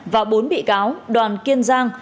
và bốn bị cáo đoàn kiên giang